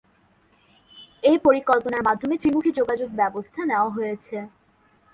এ পরিকল্পনার মাধ্যমে ত্রিমুখী যোগাযোগ ব্যবস্থা নেওয়া হয়েছে।